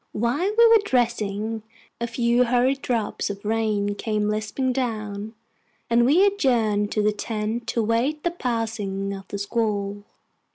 While we were dressing, a few hurried drops of rain came lisping down, and we adjourned to the tent to await the passing of the squall.